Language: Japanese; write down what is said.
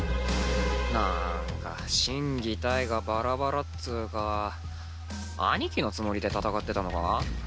なんか心技体がバラバラっつぅか兄貴のつもりで戦ってたのか？